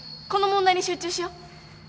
この問題に集中しよう。